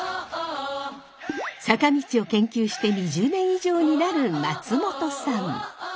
坂道を研究して２０年以上になる松本さん。